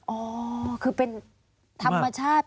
อ๋อคือเป็นธรรมชาติ